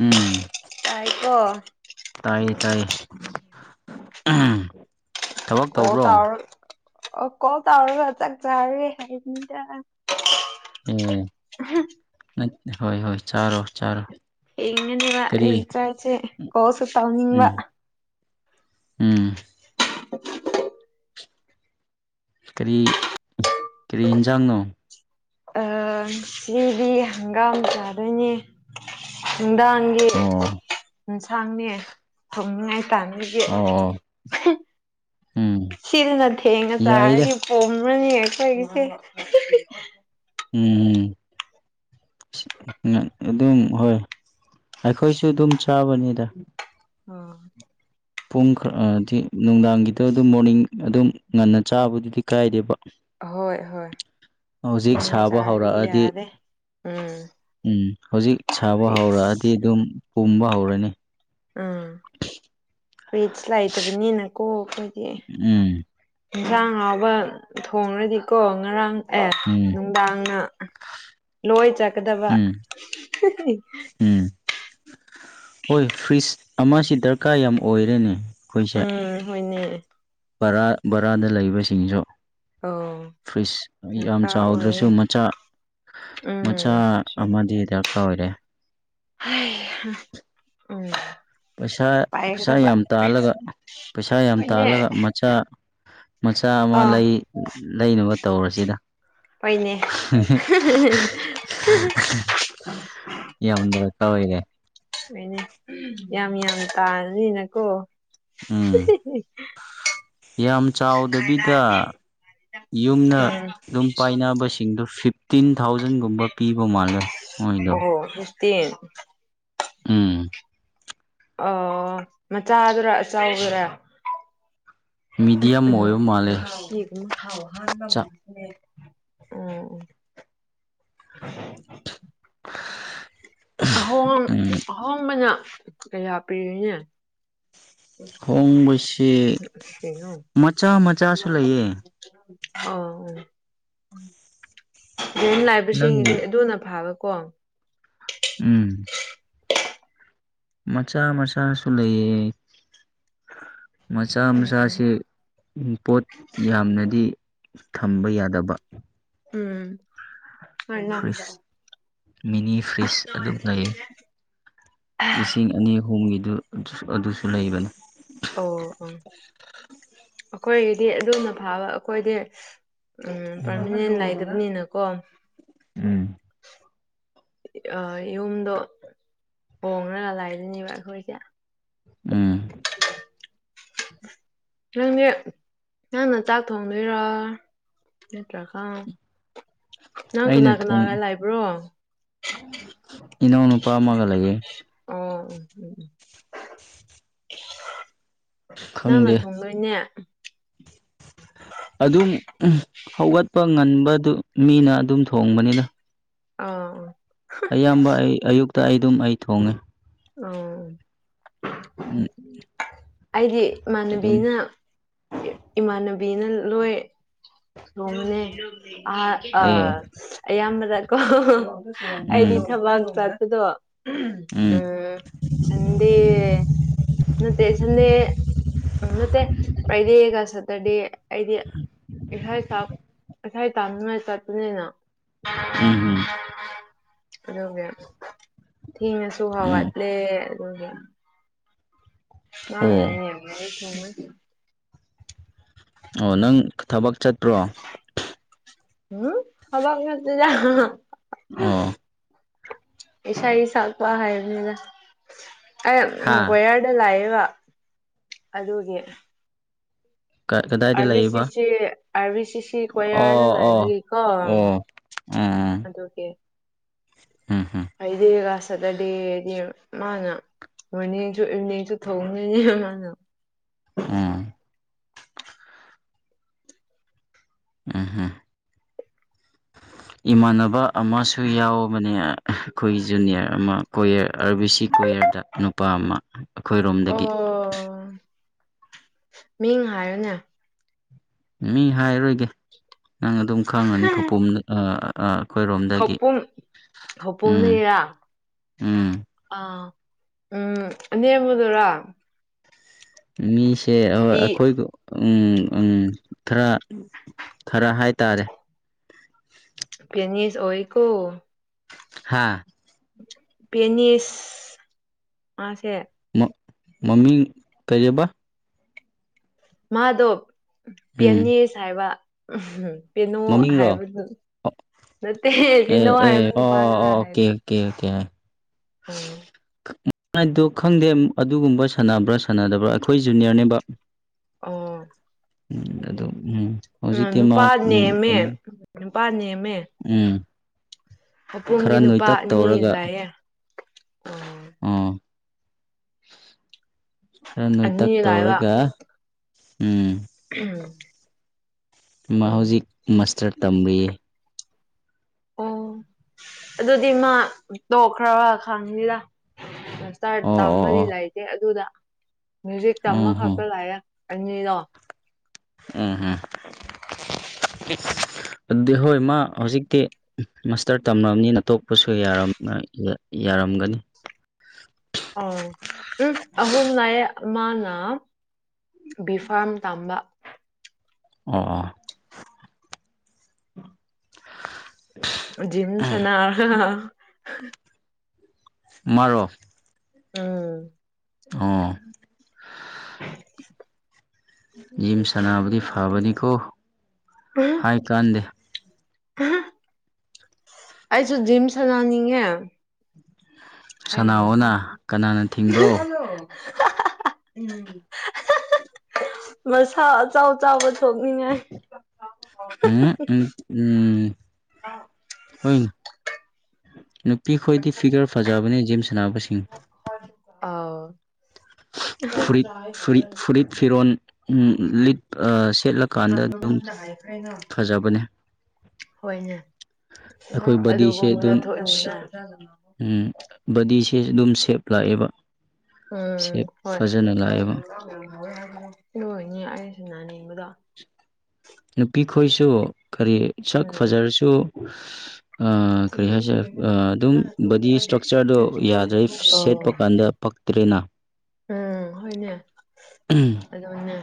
ꯎꯝ ꯇꯥꯏꯀꯣ ꯇꯥꯏꯌꯦ ꯇꯥꯏꯌꯦ ꯊꯕꯛ ꯑꯣ ꯇꯧꯕ꯭ꯔꯣ ꯇꯥꯔ ꯑ ꯀꯣꯜ ꯇꯥꯎꯔ ꯆꯥꯛ ꯆꯥꯔꯦ ꯍꯥꯏꯗ ꯍꯥ [inaudible] ꯑꯦ ꯍꯣꯏ ꯍꯣꯏ ꯆꯥꯔꯣ ꯆꯥꯔꯣ ꯑꯦꯉꯅꯤꯕ ꯀꯔꯤ ꯋꯥꯁꯦ ꯀꯣꯜꯁꯨ ꯇꯧꯅꯤꯡꯕ ꯎꯝ ꯎꯝ [inaudible] ꯀꯔꯤ ꯀꯔꯤ ꯏꯟꯟꯖꯥꯡꯅꯣ ꯁꯤꯗꯤ ꯍꯪꯒꯥꯝ ꯆꯥꯗꯣꯏꯅꯦ ꯅꯨꯡꯗꯥꯡꯒꯤ ꯑꯣ ꯌꯦꯟꯁꯥꯡꯅꯦ ꯊꯣꯡꯅꯤꯡꯉꯥꯏ ꯇꯦ [unintelligible] ꯑꯣ ꯑꯣ ꯎꯝ ꯁꯤꯅ ꯊꯦꯡꯉ ꯌꯥꯏꯗ ꯆꯥꯔꯗꯤ ꯄꯣꯝꯃꯅꯤ ꯑꯩꯈꯣꯏꯒꯤꯁꯦ ꯎꯝꯝ ꯑꯗꯨꯝ ꯍꯣꯏ ꯑꯩꯈꯣꯏꯁꯨ ꯑꯗꯨꯝ ꯆꯥꯕꯅꯤꯗ ꯑꯥ ꯄꯨꯡ ꯈꯔꯗꯤ ꯅꯨꯡꯗꯥꯡꯒꯤꯗ ꯑꯗꯨꯝ ꯃꯣꯔꯅꯤꯡ ꯑꯗꯨꯝ ꯉꯟꯅ ꯆꯥꯕꯗꯨꯗꯤ ꯀꯥꯏꯗꯦꯕ ꯑꯍꯣꯏ ꯍꯣꯏ ꯍꯧꯖꯤꯛ ꯊꯦꯡꯅ ꯁꯥꯕ ꯆꯥꯔꯗꯤ ꯍꯧꯔꯛꯑꯗꯤ ꯌꯥꯗꯦ ꯎꯝ ꯎꯝ ꯍꯧꯖꯤꯛ ꯁꯥꯕ ꯍꯧꯔꯛꯑꯗꯤ ꯐꯤꯛꯁ ꯑꯗꯨꯝ ꯄꯨꯝꯕ ꯍꯧꯔꯅꯤ ꯑꯥ ꯔꯤꯁ ꯂꯩꯥꯏꯇꯕꯅꯤꯅꯀꯣ ꯑꯩꯈꯣꯏꯒꯤ ꯎꯝ ꯏꯟꯁꯥꯡ ꯍꯥꯎꯕ ꯊꯣꯡꯂꯗꯤꯀꯣ ꯉꯔꯥꯡ ꯑꯦ ꯎꯝ ꯅꯨꯡꯗꯥꯡꯅ ꯂꯣꯏ ꯆꯠꯀꯗꯕ ꯎꯝ ꯎꯝ ꯍꯣꯏ ꯐ꯭ꯔꯤꯖ ꯑꯃꯁꯤ ꯗꯔꯀꯥꯔ ꯌꯥꯝ ꯑꯣꯏꯔꯦꯅꯦ ꯑꯩꯈꯣꯏꯁꯦ ꯎꯝ ꯍꯣꯏꯅꯦ ꯕꯔꯥ ꯕꯥꯔꯥꯗ ꯂꯩꯕꯁꯤꯡꯁꯨ ꯑꯣ ꯐ꯭ꯔꯤꯖ ꯌꯥꯝ ꯗꯔꯀꯥꯔ ꯑꯣꯏꯌꯦ ꯆꯥꯎꯗ꯭ꯔꯁꯨ ꯃꯆꯥ ꯃꯆꯥ ꯎꯝ ꯑꯃꯗꯤ ꯗꯔꯀꯥꯔ ꯑꯣꯏꯔꯦ ꯍꯩꯍꯥ ꯎꯝ ꯄꯩꯁꯥ ꯄꯩꯁꯥ ꯄꯥꯏꯒꯗꯕ ꯌꯥꯝ ꯇꯥꯜꯂꯒ ꯄꯩꯁꯥ ꯌꯥꯝ ꯍꯣꯏꯅꯦ ꯇꯥꯜꯂꯒ ꯃꯆꯥ ꯃꯆꯥ ꯑꯃ ꯑꯥ ꯂꯩ ꯂꯩꯅꯕ ꯇꯧꯔꯁꯤꯗ ꯍꯣꯏꯅꯦ [unintelligible] ꯌꯥꯝꯅ ꯇꯧꯋꯤꯅꯦ ꯃꯤꯅꯤꯠ ꯎꯝ ꯌꯥꯝ ꯌꯥꯝ ꯇꯥꯅꯤꯅꯀꯣ ꯎꯝ ꯌꯥꯝ ꯆꯥꯎꯗꯕꯤꯗ ꯌꯨꯝꯅ ꯎꯝ ꯗꯨꯝ ꯄꯥꯏꯅꯕꯁꯤꯡꯗꯣ ꯐꯤꯞꯇꯤꯟ ꯊꯥꯎꯖꯟꯒꯨꯝꯕ ꯄꯤꯕ ꯃꯥꯜꯂꯦ ꯃꯣꯏꯗꯣ ꯑꯣ [unintelligible] ꯎꯝ ꯑꯣ ꯃꯆꯥꯗꯨꯔ ꯑꯆꯧꯕꯗꯨꯔꯥ ꯃꯤꯗꯤꯌꯝ ꯑꯣꯏꯕ ꯃꯥꯜꯂꯦ [unintelligible] [unintelligible] ꯎꯝ ꯆꯥꯛ ꯑꯍꯣꯡ ꯎꯝ ꯑꯍꯣꯡꯕꯅ ꯀꯌꯥ ꯄꯤꯔꯤꯅꯦ ꯍꯣꯡꯕꯁꯦ ꯀꯩꯅꯣ ꯃꯆꯥ ꯃꯆꯥꯁꯨ ꯂꯩꯌꯦ ꯑꯣ ꯑꯣ ꯗꯨꯨꯝ ꯅꯪꯒꯤ ꯂꯥꯏꯕꯁꯤꯡꯒꯤꯗꯤ ꯑꯗꯨꯅ ꯐꯥꯕꯀꯣ ꯎꯝ ꯃꯆꯥ ꯃꯆꯥꯁꯨ ꯂꯩꯌꯦ ꯃꯆꯥ ꯃꯆꯥꯁꯦ ꯄꯣꯠ ꯌꯥꯝꯅꯗꯤ ꯊꯝꯕ ꯌꯥꯗꯕ ꯎꯝ ꯍꯣꯏꯅ ꯐ꯭ꯔꯤꯖ ꯑꯣ ꯃꯤꯅꯤ ꯐ꯭ꯔꯤꯖ ꯑꯗꯨꯝ ꯂꯩꯌꯦ ꯂꯤꯁꯤꯡ ꯑꯅꯤ ꯑꯍꯨꯝꯒꯤꯗꯨ ꯗꯨꯁꯨ ꯑꯗꯨꯁꯨ ꯂꯩꯕꯅꯦ ꯑꯣ ꯑꯣ ꯑꯈꯣꯏꯒꯤꯗꯤ ꯑꯗꯨꯝ ꯐꯥꯕ ꯑꯩꯈꯣꯏꯗꯤ ꯎꯝ ꯄꯥꯔꯃꯤꯅꯦꯟ ꯅꯥꯏꯗꯕꯅꯤꯅꯀꯣ ꯎꯝ ꯑ ꯌꯨꯝꯗꯣ ꯍꯣꯡꯔꯒ ꯂꯥꯛꯏꯕꯅꯦꯕ ꯑꯩꯈꯣꯏꯖꯦ ꯎꯝ ꯅꯪꯗꯤ ꯅꯪꯅ ꯆꯥꯛ ꯊꯣꯡꯗꯣꯏꯔꯣ ꯅꯠꯇ꯭ꯔꯒ ꯅꯪ ꯑꯩꯅ ꯀꯅꯥ ꯀꯅꯥꯒ ꯊꯣꯡ ꯂꯩꯕ꯭ꯔꯣ ꯑꯣ ꯏꯅꯥꯎꯅꯨꯄꯥ ꯑꯃꯒ ꯂꯩꯌꯦ ꯅꯪꯅ ꯈꯪꯗꯦ ꯊꯣꯡꯗꯣꯏꯅꯦ ꯑꯗꯨꯝ ꯎꯝ ꯍꯧꯒꯠꯄ ꯉꯟꯕꯗꯨ ꯃꯤꯅ ꯑꯗꯨꯝ ꯊꯣꯡꯕꯅꯤꯗ ꯑꯥ ꯑꯥ ꯑꯌꯥꯝꯕ ꯑꯩ ꯑꯌꯨꯛꯇ ꯑꯩ ꯑꯗꯨꯝ ꯑꯩ ꯊꯣꯡꯉꯦ ꯑꯧ [unintelligible] ꯑꯩꯒꯤ ꯑꯗꯨꯝ ꯏꯃꯥꯟꯅꯕꯤꯅ ꯏ ꯏꯃꯥꯟꯅꯕꯤꯅ ꯂꯣꯏ ꯊꯣꯡꯕꯅꯦ ꯑ ꯑ ꯑꯦ ꯑꯌꯥꯝꯕꯗ ꯀꯣ ꯎꯝ ꯑꯩꯗꯤ ꯊꯕꯥꯛ ꯆꯥꯠꯄꯗꯣ ꯎꯝ ꯁꯟꯗꯦ ꯅꯠꯇꯦ ꯁꯟꯗꯦ ꯎꯝ ꯅꯠꯇꯦ ꯐ꯭ꯔꯥꯏꯗꯦꯒ ꯁꯇꯔꯗꯦ ꯑꯩꯗꯤ ꯏꯁꯩ ꯇꯥꯝ ꯏꯁꯩ ꯇꯥꯝꯅꯤꯡꯉꯥꯏ ꯆꯠꯄꯅꯤꯅ ꯎꯝ ꯎꯝ ꯑꯗꯨꯒꯤ ꯊꯦꯡꯉꯁꯨꯕꯥꯎꯕ ꯎꯝ ꯂꯩꯌꯦ ꯑꯗꯨꯒꯤ ꯑꯣ [unintelligible] ꯑꯣ ꯅꯪ ꯊꯕꯛ ꯆꯠꯄ꯭ꯔꯣ꯫ ꯎꯝ ꯍꯕ ꯃꯤ ꯑꯣ ꯏꯁꯥ ꯁꯛꯄ ꯍꯥꯏꯕꯅꯤꯗ ꯑ ꯍꯥ ꯀꯌꯥ ꯑꯗ ꯂꯥꯛꯕ ꯑꯗꯨꯒꯤ ꯀꯗꯥꯏꯗ ꯑꯔꯕꯤ ꯂꯩꯕ ꯁꯤꯁꯤ ꯑꯔꯕꯤ ꯁꯤꯁꯤ ꯁꯤ ꯀ꯭ꯌꯥꯔꯗ ꯑꯣ ꯑꯣ ꯂꯥꯏꯕꯒꯤꯀꯣ ꯑꯣ ꯑꯗꯨꯒꯤ ꯑꯥ ꯍꯥꯥ ꯑꯩꯩꯗꯤꯒꯥꯁꯗ ꯗꯦꯗꯤ ꯃꯥꯉ ꯃꯅꯤꯁꯨꯅꯤꯁꯨ ꯊꯧꯅ ꯑꯥ ꯑꯍꯥ ꯏꯃꯥꯟꯅꯕ ꯑꯃꯁꯨ ꯌꯥꯎꯕꯅꯦ ꯑꯩꯈꯣꯏ ꯖꯨꯅꯤꯌꯔ ꯑꯃ ꯀꯣꯌꯔ ꯑꯥꯔꯕꯤ ꯁꯤ ꯀꯣꯣꯌꯔꯗ ꯅꯨꯄꯥ ꯑꯃ ꯑꯩꯈꯣꯏꯔꯣꯝꯗꯒꯤ ꯑꯣ ꯃꯤꯡ ꯍꯥꯏꯌꯣꯅꯦ ꯃꯤ ꯍꯥꯏꯔꯣꯏꯒꯦ ꯅꯪ ꯑꯗꯨꯝ ꯈꯪꯉꯅꯤ ꯈꯄꯣꯝꯗ ꯍꯧꯄꯨꯝ ꯎꯝ ꯍꯧꯄꯨꯝꯅꯤꯔ ꯎꯝ ꯑ ꯎꯝꯦ ꯑꯃꯗꯨꯔꯥ ꯃꯤꯁꯦ ꯄꯤ ꯑꯩꯈꯣꯏ ꯎꯝ ꯎꯝ ꯈꯔ ꯈꯔ ꯍꯥꯏꯇꯥꯔꯦ ꯄꯅꯤꯁ ꯑꯣꯏꯀꯣ ꯍꯥꯥ ꯄꯦꯅꯤꯁ ꯃꯥꯁꯦ ꯃꯃꯤꯡ ꯀꯩꯔꯕ ꯃꯥꯗꯣ ꯎꯝ ꯄꯦꯅꯦꯁ ꯍꯥꯏꯕ ꯎ ꯄꯕꯦꯅꯣ ꯃꯃꯤꯡꯔꯣ ꯍꯥꯏꯕꯗꯨ ꯅꯠꯇꯦ ꯄꯕꯦꯅꯣ ꯍꯥꯏꯕ ꯅꯨꯄꯥꯗꯨꯔꯥ ꯍꯥꯏꯕꯅꯤ ꯀꯦꯀꯦꯌꯥ ꯑꯣ ꯗꯣ ꯈꯪꯗꯦ ꯑꯗꯨꯒꯨꯝꯕ ꯁꯥꯟꯅꯕ꯭ꯔꯥ ꯁꯥꯟꯅꯗꯕ꯭ꯔꯥ ꯑꯩꯈꯣꯏ ꯖꯨꯅꯤꯌꯔꯅꯦꯕ ꯑꯣ ꯎꯝ ꯑꯗꯨ ꯎꯝ ꯎ ꯍꯧꯖꯤꯛꯇꯤ ꯃꯥ ꯅꯨꯄꯥ ꯎꯝ ꯅꯦꯝꯃꯦ ꯀꯩꯅꯣ ꯅꯨꯄꯥ ꯅꯦꯝꯃꯦ ꯎꯝ ꯃꯄꯣꯝꯒꯤ ꯈꯔ ꯅꯨꯄꯥ ꯅꯣꯏꯇꯛ ꯑꯅꯤ ꯇꯧꯔꯒ ꯂꯥꯛꯌꯦꯦ ꯑꯣ ꯑꯣ ꯈꯔ ꯑꯅꯤ ꯅꯣꯏꯇꯛ ꯂꯥꯛꯑꯦꯕ ꯇꯧꯔꯒ ꯎꯝ ꯎꯝ ꯃꯥ ꯍꯧꯖꯤꯛ ꯃꯥꯁꯇꯔ ꯇꯝꯔꯤ ꯑꯣ ꯑꯗꯨꯗꯤ ꯃꯥ ꯂꯣꯛꯈ꯭ꯔꯕ ꯈꯪꯅꯤꯗ ꯁꯁꯇꯥꯔ ꯑꯣ ꯑꯣ ꯇꯥꯝꯃꯗꯤ ꯑꯣ ꯂꯩꯇꯦ ꯑꯗꯨꯗ ꯃ꯭ꯌꯨꯖꯤꯛ ꯇꯝꯃ ꯎꯝ ꯍꯝ ꯈꯛꯄ ꯂꯥꯛꯑꯦ ꯑꯗꯣ ꯎꯝ ꯎꯝ ꯑꯗꯨꯗꯤ ꯍꯣꯏ ꯃꯥ ꯍꯧꯖꯤꯛꯇꯤ ꯃꯥꯁꯇꯔ ꯇꯝꯂꯕꯅꯤꯅ ꯇꯣꯛꯄꯁꯨ ꯌꯥꯔꯝꯒꯅꯤ ꯑ ꯎꯝ ꯑꯍꯨꯝꯅꯅꯥꯌꯦ ꯑꯃꯅ ꯕꯤꯐꯥꯝ ꯇꯝꯕ ꯑꯣ ꯑꯥ ꯖꯤꯝ ꯆꯅꯥ ꯃꯥꯔꯣ ꯎꯝ ꯑꯣ [inaudible] ꯌꯨꯝ ꯁꯅꯥꯕꯨꯗꯤ ꯐꯕꯅꯤꯀꯣ ꯍꯥꯏ ꯀꯥꯟꯗꯦ ꯑꯩꯁꯨ ꯖꯤꯔꯤꯝ ꯁꯅꯥꯅꯤꯡꯉꯦ [unintelligible] [unintelligible] ꯁꯅꯥꯑꯣꯅ ꯀꯅꯥꯅ ꯊꯤꯡꯕ꯭ꯔꯣ ꯃꯁꯥ ꯑꯆꯥꯎ ꯆꯥꯎꯕ ꯊꯣꯛꯅꯤꯡꯉꯥꯏ ꯎꯝ [unintelligible] ꯅꯨꯄꯤꯈꯣꯏꯗꯤ ꯐꯤꯒꯔ ꯐꯖꯕꯅꯤ ꯖꯤꯝ ꯁꯥꯟꯅꯕꯁꯤꯡ ꯑꯣ ꯐꯨꯔꯤꯠ ꯐꯨꯔꯤꯠ ꯐꯨꯔꯤꯠ ꯐꯤꯔꯣꯟꯜ ꯂꯤꯠ ꯁꯦꯠꯂꯀꯥꯟꯗ ꯑꯗꯨꯝ [unintelligible] ꯐꯖꯕꯅꯦ ꯍꯣꯏꯅꯦ ꯑꯩꯈꯣꯏ ꯕꯗꯤꯁꯦ ꯑꯗꯨꯒꯨꯝꯕꯗ ꯑꯗꯨꯝ ꯊꯣꯛꯏꯅꯤꯅꯦ ꯎꯝ ꯕꯗꯤꯁꯦ ꯑꯗꯨꯝ ꯁꯦꯞ ꯂꯥꯛꯑꯦꯕ ꯎꯝ ꯁꯦꯞ ꯍꯣꯏ ꯐꯖꯅ ꯂꯥꯛꯑꯦꯕ ꯑꯗꯨꯏꯅꯦ ꯑꯩ ꯁꯅꯥꯅꯤꯡꯕꯗꯣ ꯅꯨꯄꯤ ꯈꯣꯏꯁꯨ ꯀꯔꯤ ꯁꯛ ꯎꯝ ꯐꯖꯔꯁꯨ ꯀꯔꯤ ꯍꯥꯏꯁꯤꯔꯥ ꯑꯗꯨꯝ ꯕꯣꯗꯤ ꯏꯁ꯭ꯇ꯭ꯔꯛꯆꯔꯗꯣ ꯌꯥꯗ꯭ꯔꯩ ꯑꯣ ꯁꯦꯠꯄ ꯀꯥꯟꯗ ꯄꯛꯇꯥꯔꯦ ꯎꯝ ꯍꯣꯏꯅꯦ ꯎꯝ ꯑꯗꯨꯅꯦ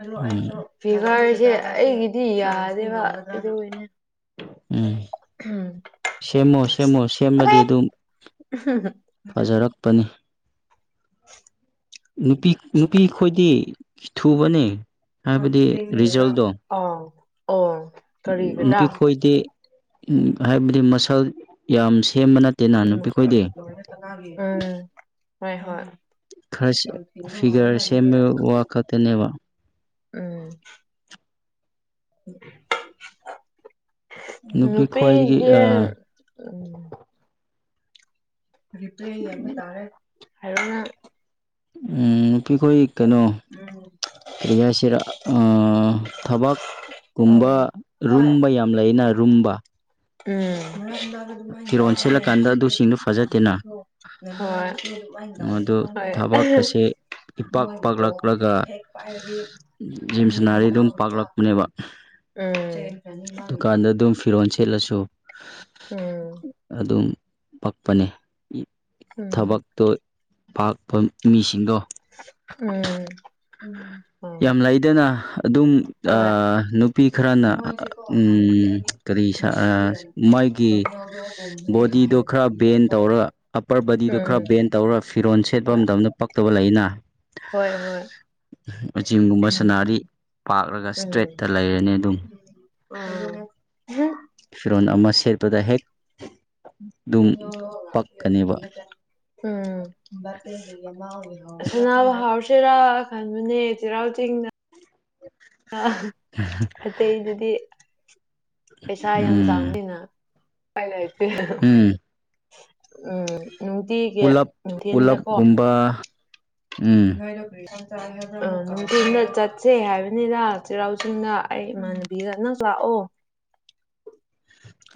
ꯑꯗꯣ ꯎꯝ ꯑꯩꯁꯨ ꯐꯤꯚꯔꯁꯦ ꯑꯩꯒꯤꯗꯤ ꯌꯥꯗꯦꯕ ꯑꯗꯨꯒꯤꯅꯦ ꯎꯝ ꯎꯝ ꯁꯦꯝꯃꯣ ꯁꯦꯝꯃꯣ ꯁꯦꯝꯔꯥꯗꯤ ꯑꯗꯨꯝ ꯐꯖꯔꯛꯄꯅꯤ [unintelligible] ꯅꯨꯄꯤ ꯅꯨꯄꯤ ꯈꯣꯏꯗꯤ ꯊꯨꯕꯅꯦ ꯍꯥꯏꯕꯗꯤ ꯔꯤꯖꯜꯗꯣ ꯑꯣ ꯑꯣ ꯀꯔꯤꯒꯤꯔꯥ ꯅꯨꯄꯤꯈꯣꯏꯗꯤ ꯍꯥꯏꯕꯗꯤ ꯃꯁꯜ ꯌꯥꯝ ꯁꯦꯝꯕ ꯅꯠ ꯎꯝ ꯍꯣꯏ ꯍꯣꯏ ꯈꯔ ꯐꯤꯒꯔ ꯁꯦꯝꯃꯦ ꯋꯥ ꯈꯛꯇꯅꯦꯕ ꯎꯝ ꯅꯨꯄꯤ ꯈ꯭ꯋꯥꯏꯗꯒꯤ ꯅꯨꯨꯄꯤꯗꯤ ꯔꯤꯄ꯭ꯂꯥꯏ ꯌꯦꯡꯕꯥ ꯇꯥꯔꯦ ꯎꯝ ꯅꯨꯄꯤꯈꯣꯏꯗꯤ ꯀꯩꯅꯣ ꯎꯝ ꯀ꯭ꯔꯤꯍꯥꯏꯁꯤꯔꯥ ꯑꯥ ꯊꯕꯛ ꯒꯨꯝꯕ ꯔꯨꯝꯕ ꯌꯥꯝ ꯂꯩꯅ ꯔꯨꯝꯕ ꯎꯝ [unintelligible] ꯐꯤꯔꯣꯜ ꯁꯦꯠꯂꯀꯥꯟꯗ ꯑꯗꯨꯁꯤꯡꯗꯨ ꯐꯖꯗꯦꯅ ꯑꯗꯨ ꯍꯣꯏ ꯊꯕꯛꯀꯁꯦ ꯏꯄꯥꯛ ꯃꯣꯏꯒꯤꯗꯣ ꯄꯥꯛꯂꯛꯂꯒ ꯍꯦꯛ ꯄꯥꯏꯔꯥꯗꯤ ꯖꯤꯝ ꯁꯥꯅꯥꯔꯗꯤ ꯑꯗꯨꯝ ꯄꯥꯛꯂꯛꯄꯅꯦꯕ ꯃꯥꯒꯤꯗꯣ ꯑꯗꯨꯀꯥꯟꯗ ꯑꯗꯨꯝ ꯐꯤꯔꯣꯟ ꯁꯦꯠꯂꯥꯁꯨ ꯎꯝ ꯑꯗꯨꯝ ꯄꯛꯄꯅꯦ ꯎꯝ ꯊꯕꯛꯇꯣ ꯄꯥꯛꯐꯝ ꯃꯤꯁꯤꯡꯗꯣ ꯎꯝ ꯎꯝ ꯌꯥꯝ ꯂꯩꯗꯅ ꯑꯗꯨꯝ ꯍꯣꯏ ꯅꯨꯄꯤ ꯈꯔꯅꯥ ꯎꯝ ꯀꯔꯤ ꯃꯥꯒꯤ ꯕꯣꯗꯤꯗꯣ ꯈꯔ ꯕꯦꯟ ꯇꯧꯔꯥꯒ ꯑꯞꯄꯔ ꯕꯗꯤꯗꯨ ꯈꯔ ꯎꯝ ꯕꯦꯟ ꯇꯧꯔ ꯐꯤꯔꯣꯟꯜ ꯁꯦꯠꯄ ꯍꯣꯏ ꯃꯇꯝꯗ ꯄꯛꯇꯕ ꯂꯩꯌꯦꯅꯥ ꯍꯣꯏ ꯍꯣꯏ ꯖꯤꯝꯒꯨꯝꯕ ꯎꯝ ꯁꯥꯅꯔꯤ ꯄꯥꯛꯂꯒ ꯏꯁꯇ꯭ꯔꯦꯠꯇꯥ ꯂꯩꯔꯅꯤ ꯑꯥ꯫ ꯐꯤꯔꯣꯟ ꯑꯃ ꯁꯦꯠꯄꯗ ꯍꯦꯛ꯫ ꯑꯗꯨꯝ ꯄꯛꯀꯅꯦꯕ ꯎꯝ꯫ ꯁꯅꯥꯕ ꯍꯧꯔꯁꯤꯔ ꯈꯟꯕꯅꯦ ꯆꯩꯔꯥꯎ ꯆꯤꯡꯗ꯫ ꯑꯇꯩꯗꯨꯗꯤ ꯄꯩꯁꯥ ꯌꯥꯝ ꯎꯝ ꯆꯥꯎꯅꯤꯅ꯫ ꯑꯩ ꯂꯩꯇ‌ꯦ ꯎꯝ ꯎꯝ꯫ ꯅꯨꯡꯇꯤꯒꯤ ꯄꯨꯂꯞ ꯅꯨꯡꯊꯤꯟꯗꯀꯣ ꯄꯨꯂꯞꯒꯨꯝꯕ ꯎꯝ꯫ ꯫ ꯑꯥ ꯅꯨꯡꯊꯤꯟꯗ ꯆꯠꯁꯦ ꯍꯥꯏꯕꯅꯤꯗ ꯆꯩꯔꯥꯎ ꯆꯤꯡꯗ ꯑꯩ ꯏꯃꯥꯟꯅꯕꯤꯒ ꯅꯪꯁꯨ ꯂꯥꯛꯑꯣ꯫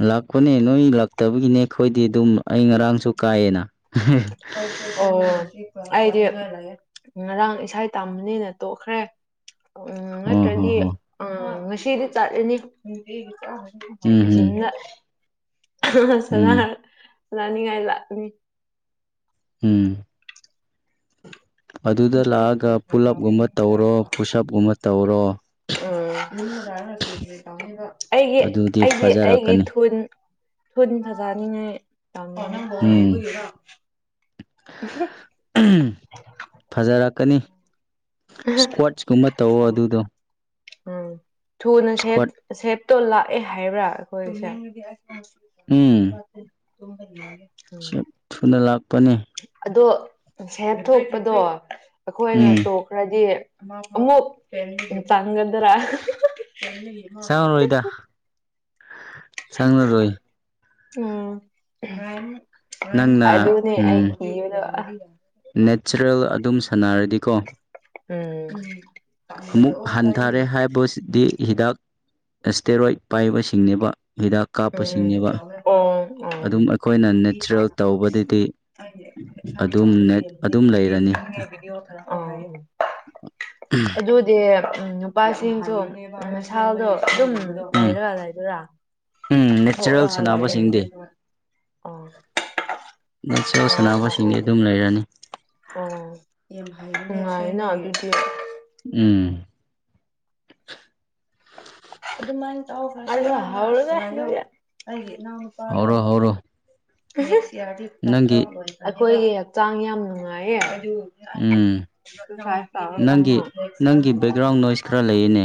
ꯂꯥꯛꯄꯅꯦ ꯅꯣꯏ ꯂꯥꯛꯇꯕꯒꯤꯅꯦ ꯑꯈꯣꯏꯗꯤ ꯑꯗꯨꯝ ꯑꯩ ꯉꯔꯥꯡꯁꯨ ꯀꯥꯏꯌꯦꯅ꯫ ꯫ ꯑꯣ ꯑꯩꯗꯤ ꯉꯔꯥꯡ ꯏꯁꯩ ꯇꯥꯝꯕꯅꯤꯅ ꯇꯣꯛꯈ꯭ꯔꯦ꯫ ꯎꯝ ꯑꯣ ꯍꯣ ꯅꯠꯇ꯭ꯔꯗꯤ ꯍꯣ ꯑꯥ ꯉꯁꯤꯗꯤ ꯆꯠꯂꯅꯤ꯫ ꯎꯝ ꯎꯝ ꯖꯤꯝꯂ ꯎꯝ ꯁꯅꯥꯔꯅ ꯂꯥꯛꯅꯤꯉꯥꯏ ꯂꯥꯛꯅꯤ꯫ ꯎꯝ꯫ ꯑꯗꯨꯗ ꯂꯥꯛꯑꯒ ꯄꯨꯂꯞꯀꯨꯝꯕ ꯇꯧꯔꯣ ꯄꯨꯁ‌ꯑꯞꯀꯨꯝꯕ ꯇꯧꯔꯣ꯫ ꯎꯝ ꯑꯩꯒꯤ ꯑꯗꯨꯗꯤ ꯑꯩꯗꯤ ꯑꯩꯒꯤ ꯐꯖꯔꯛꯀꯅꯤ ꯊꯨꯟ꯫ ꯊꯨꯟ ꯐꯖꯅꯤꯡꯉꯥꯏ ꯊꯧꯅꯤꯡꯉ‌ꯦ꯫ ꯎꯝ ꯎꯝ ꯐꯖꯔꯛꯀꯅꯤ ꯏꯁꯀ꯭ꯋꯥꯆꯀꯨꯝꯕ꯫ ꯇꯧꯑꯣ ꯑꯗꯨꯗꯣ꯫ ꯎꯝ ꯊꯨꯅ ꯏꯁꯀ꯭ꯋꯥꯠ ꯁꯦꯞꯇꯣ ꯂꯥꯛꯑꯦ ꯍꯥꯏꯕ꯭ꯔꯥ ꯑꯈꯣꯏꯁꯦ꯫ ꯍꯨꯝ꯫ ꯫ ꯁ‌ꯦꯞ ꯊꯨꯅ ꯂꯥꯛꯄꯅꯦ꯫ ꯑꯗꯣ ꯁꯦꯞ ꯊꯣꯛꯄꯗꯣ ꯑꯈꯣꯏꯅ ꯎꯝ ꯇꫭꯛ꯫ ꯔꯗꯤ ꯑꯃꯨꯛ ꯇꯥꯡꯒꯗ꯭ꯔꯥ꯫ ꯆꯪꯂꯔꫭꯏ꯫ ꯎꯝ ꯅꯪꯅ ꯑꯗꯅꯦ ꯑꯩ ꯎꯝ ꯀꯤꯕꯗꫭ꯫ ꯅꯦꯆꯔꯦꯜ ꯑꯗꯨꯝ ꯁꯥꯟꯅꯔꯗꯤꯀꯣ꯫ ꯎꯝ ꯑꯃꯨꯛ ꯍꯟꯊꯔꯦ ꯍꯥꯏꯕꯁꯤꯗꯤ ꯍꯤꯗꯥꯛ꯫ ꯑꯦꯁꯇꯦꯔꯣꯏꯠ ꯄꯥꯏꯕꯁꯤꯡꯅꯦꯕ ꯍꯤꯗꯥꯛ꯫ ꯎꯝ ꯀꯥꯞꯄꯁꯤꯡꯅꯦꯕ ꯑꯣ ꯑꯣ ꯑꯗꯨꯝ ꯎꯝ ꯑꯈꯣꯏꯅ ꯅꯦꯆꯔꯦꯜ ꯇꯧꯕꯗꯗꯤ꯫ ꯫ ꯑꯗꯨꯝ ꯑꯗꯨꯝ ꯂꯩꯔꯅꯤ ꯑꯗꯨ꯫ ꯗꯤ ꯅꯨꯄꯥꯁꯤꯡꯁꯨ ꯃꯁꯥꯗꯣ ꯑꯗꯨꯝ ꯎꯝ ꯂꯩꯔꯒ ꯂꯩꯕꯔ꯫ ꯎꯝ ꯊꯣꯛ ꯅꯦꯆꯔꯦꯜ ꯔꯒ ꯁꯥꯟꯅꯕꯁꯤꯡꯗꯤ ꯂꯩꯌ‌ꯦ ꯑꫭ꯫ ꯅ‌ꯦꯆꯔ‌ꯦꯜ ꯁꯅꯥꯅꯕ ꯁꯤꯡꯗꯤ ꯑꯗꯨꯝ ꯂꯩꯔꯅꯤ꯫ ꯑꯣ ꯌꯥꯝ ꯍꯩ ꯅꯨꯡꯉꯥꯏꯅ ꯑꯗꯨꯗꯤ꯫ ꯎꯝ꯫ ꯑꯗꯨꯃꯥꯏꯅ ꯇꯧ [unintelligible] ꯑꯩꯒꯤ ꯏꯅꯥꯎꯄꯥꯗꯣ꯫ ꯍꯧꯔꯣ ꯍꯧꯔꯣ ꯅꯪꯒꯤ ꯑꯈꯣꯏꯒꯤ ꯍꯛꯆꯥꯡ ꯌꯥꯝ ꯅꯨꯡꯉꯥꯏꯌꯦ꯫ ꯎꯝ ꯐꯥꯠ ꯅꯪꯒꯤ ꯇꯧꯔꯛꯀꯅꯨ꯫ ꯅꯪꯒꯤ ꯕꯦꯛꯒ꯭ꯔꯥꯎꯟ ꯅꯣꯏꯁ ꯈꯔ ꯂꯩꯌꯦꯅꯦ꯫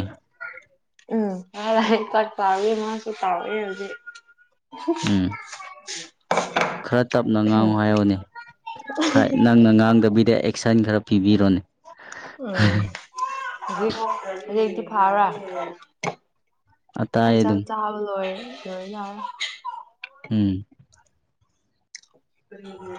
ꯎꯝ ꯀꯥꯛ ꯇꯥꯎꯋꯦ ꯃꯥꯁꯨ ꯇꯥꯎꯋꯦ ꯍꯧꯖꯤꯛ꯫ ꯎꯝ꯫ ꯫ ꯈꯔ ꯇꯞꯅ ꯉꯥꯡꯉꫭ ꯍꯥꯏꯌꫭꯅꯦ ꯅꯪꯅ ꯉꯥꯡꯗꯕꯤꯗ꯫ ꯁꯟ ꯈꯔ ꯄꯤꯕꯤꯔꯣꯅꯦ꯫ ꯎꯝ ꯍꯧꯖꯤꯛ ꯍꯧꯖꯤꯛꯇꯤ ꯐꯥꯕ꯭ꯔꯥ꯫ ꯑꯇꯥꯏ ꯑꯩ ꯆꯥꯛ ꯑꯗꯨꯝ ꯆꯥꯕ ꯂꯣꯏꯔꯦ ꯂꯣꯏ ꯌꯥꯎꯔ‌ꯦ꯫ ꯎꯝ ꯎꯝ